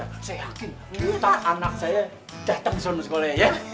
kita anak saya datang di sono sekolah ya